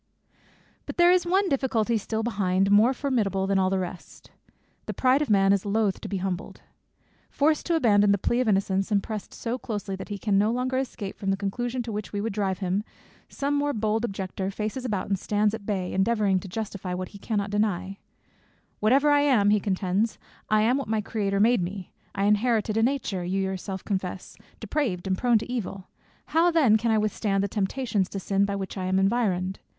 _ But there is one difficulty still behind, more formidable than all the rest. The pride of man is loth to be humbled. Forced to abandon the plea of innocence, and pressed so closely that he can no longer escape from the conclusion to which we would drive him, some more bold objector faces about and stands at bay, endeavouring to justify what he cannot deny, "Whatever I am," he contends, "I am what my Creator made me. I inherited a nature, you yourself confess, depraved, and prone to evil: how then can I withstand the temptations to sin by which I am environed?